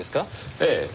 ええ。